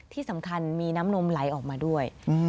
ที่สำคัญมีน้ำนมไหลออกมาด้วย